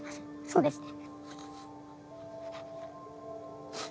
そうですね。